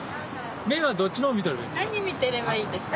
目はどっちのほう見てればいいですか？